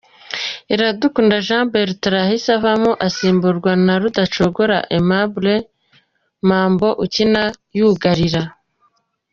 Iradukunda Jean Bertrand yahise avamo asimburwa na Rucogoza Aimable Mambo ukina yugarira.